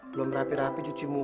belum rapi rapi cuci muka